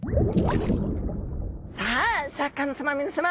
さあシャーク香音さま皆さま。